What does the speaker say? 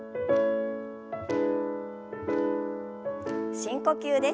深呼吸です。